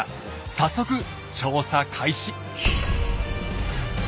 早速調査開始！